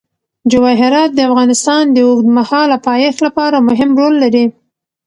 جواهرات د افغانستان د اوږدمهاله پایښت لپاره مهم رول لري.